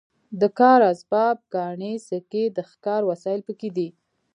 د کار اسباب ګاڼې سکې د ښکار وسایل پکې دي.